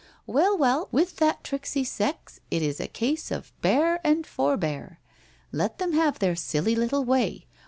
Well, well, with that tricksy sex it is a case of bear and forbear; let them have their silly little way.